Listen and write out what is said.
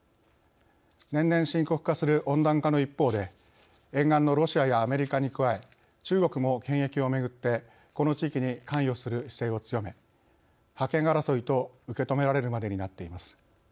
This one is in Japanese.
年々深刻化する温暖化の一方で沿岸のロシアやアメリカに加え中国も権益をめぐってこの地域に関与する姿勢を強め覇権争いと受け止められるまでになっています。